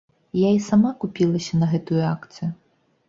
Я і сама купілася на гэтую акцыю.